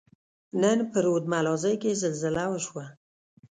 نن په رود ملازۍ کښي زلزله وشوه.